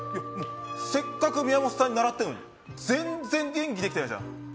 せっかく宮本さんに習ってるのに全然演技できてないじゃん。